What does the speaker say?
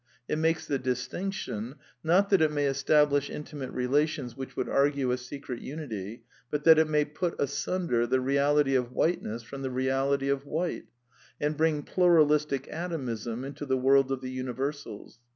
It makes the distinction, not that it may establish intimate relations which would argue a secret unity, but that it may put asunder the reality of whiteness from the reality of white, and bring pluralistic atomism into the world of the universals.